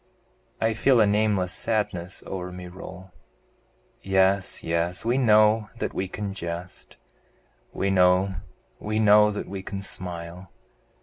I feel a nameless sadness o'er me roll, Yes, yes, we know that we can jest, We know, we know that we can smile!